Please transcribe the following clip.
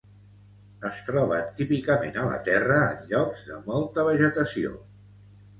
Es troben típicament a la terra en llocs de molta vegetació.